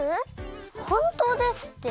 ほんとうですって。